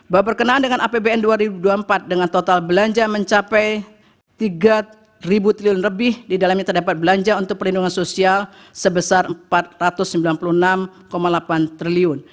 bahwa berkenaan dengan apbn dua ribu dua puluh empat dengan total belanja mencapai rp tiga triliun lebih di dalamnya terdapat belanja untuk perlindungan sosial sebesar rp empat ratus sembilan puluh enam delapan triliun